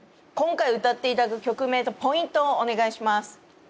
今回歌っていただく曲名とポイントをお願いします。